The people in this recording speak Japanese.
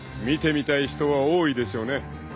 ［見てみたい人は多いでしょうね］